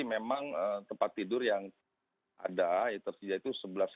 memang tempat tidur yang ada tersedia itu sebelas lima ratus